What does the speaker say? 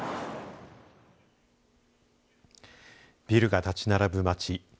ビルが立ち並ぶ街。